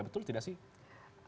betul tidak sih